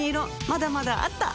まだまだあった！